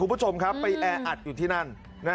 ไปแอร์อัดอยู่ที่นั่น